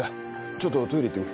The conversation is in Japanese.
ちょっとトイレ行って来る。